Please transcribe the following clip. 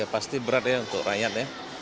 pasti berat ya untuk rakyat ya